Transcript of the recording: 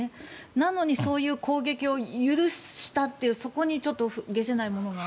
なのにそういう攻撃を許したというそこに解せないものが。